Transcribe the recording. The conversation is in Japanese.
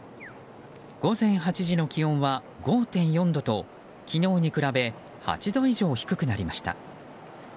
午前８時の気温は５．４度と昨日に比べ８度以上低くなりました。